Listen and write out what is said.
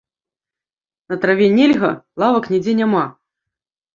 На траве нельга, лавак нідзе няма!